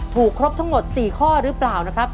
ครบทั้งหมด๔ข้อหรือเปล่านะครับ